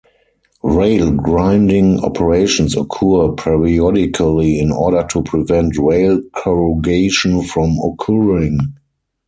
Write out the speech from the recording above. Rail grinding operations occur periodically in order to prevent rail corrugation from occurring.